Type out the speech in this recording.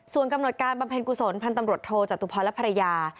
ส่วนกำหนดการบำเพ็ญกุศลพันธ์ตำรวจโทจตุพรและภรรยา